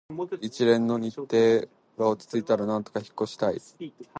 一連の日程が落ち着いたら、なんとか引っ越ししたい